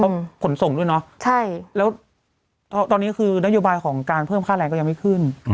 ขนส่งด้วยเนาะใช่แล้วตอนนี้คือนโยบายของการเพิ่มค่าแรงก็ยังไม่ขึ้น